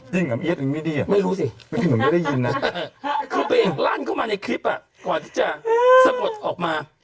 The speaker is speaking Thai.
จริงหรือไม่ดีอ่ะไม่รู้สิคือเปรกลั่นเข้ามาในคลิปก่อนจะสะบดออกมา